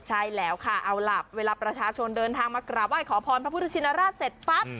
ใช่แล้วค่ะเอาล่ะเวลาประชาชนเดินทางมากราบไห้ขอพรพระพุทธชินราชเสร็จปั๊บ